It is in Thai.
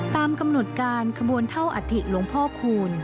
ตามกำหนดการขบวนเท่าอัฐิหลวงพ่อคูณ